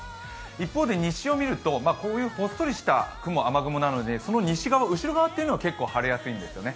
一方で西を見ると、こういうほっそりとした雨雲なので、その西側、後ろ側は結構晴れやすいんですよね。